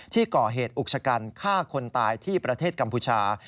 ที่ก่อเหตุอุกชะกันฆ่าคนตายที่ประเทศกัมพูชา